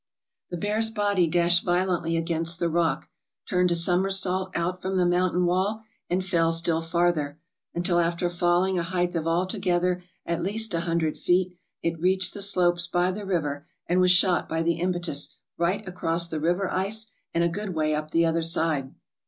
" The bear's body dashed violently against the rock, turned a somersault out from the mountain wall and fell still farther, until after falling a height of altogether at least a hundred feet, it reached the slopes by the river, and was shot by the impetus right across the river ice and a good way up the other side.